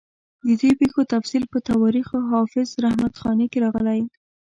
د دې پېښو تفصیل په تواریخ حافظ رحمت خاني کې راغلی.